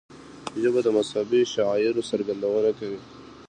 ژبه د مذهبي شعائرو څرګندونه کوي